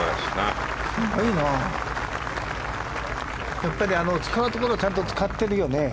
やっぱり使うところをちゃんと使ってるよね。